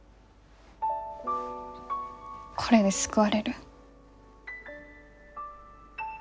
これで救われる？